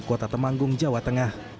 kota temanggung jawa tengah